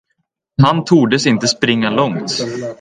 Han tordes inte springa långt.